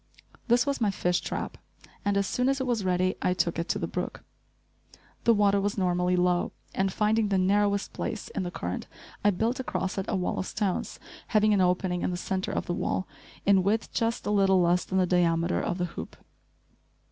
This was my fish trap, and as soon as it was ready I took it to the brook. The water was normally low and, finding the narrowest place in the current, I built across it a wall of stones, having an opening in the centre of the wall, in width just a little less than the diameter of the hoop.